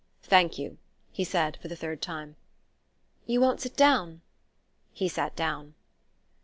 "Thank you," he said for the third time. "You won't sit down?" He sat down.